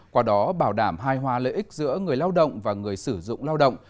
qua đó bảo đảm hai hòa lợi ích giữa người lao động và người sử dụng lao động